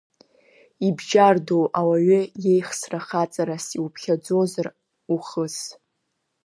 Ибџьардоу ауаҩы иеихсра хаҵарас иуԥхьаӡозар ухыс?